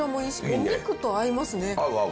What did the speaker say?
お肉と合いますね。